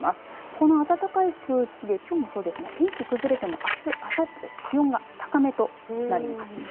この暖かい空気できょうもそうですが天気崩れてもあすあさってと気温が高めとなります。